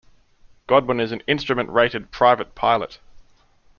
Godwin is an instrument rated private pilot.